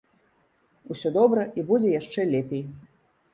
Усё добра і будзе яшчэ лепей.